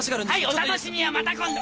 はいお楽しみはまた今度。